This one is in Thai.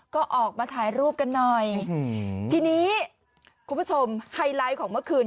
ก็ออกมาถ่ายรูปกันหน่อยทีนี้คุณผู้ชมไฮไลท์ของเมื่อคืน